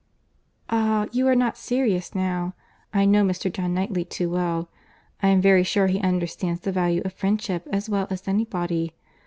"Ah! you are not serious now. I know Mr. John Knightley too well—I am very sure he understands the value of friendship as well as any body.